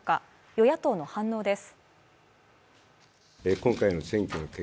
与野党の反応です。